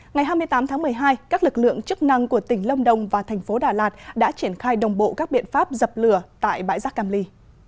ngày hai mươi tám tháng một mươi hai các lực lượng chức năng của tỉnh lâm đồng và thành phố đà lạt đã triển khai đồng bộ các biện pháp dập lửa tại bãi rác cam ly